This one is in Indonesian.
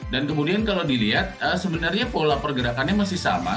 dan kemudian kalau dilihat sebenarnya pola pergerakannya masih sama